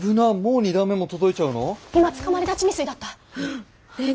今つかまり立ち未遂だった？